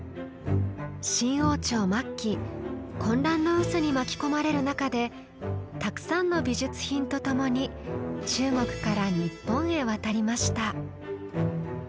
清王朝末期混乱の渦に巻き込まれる中でたくさんの美術品とともに中国から日本へ渡りました。